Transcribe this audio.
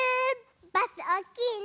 バスおおきいね！